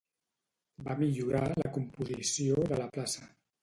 Va millorar la composició de la plaça.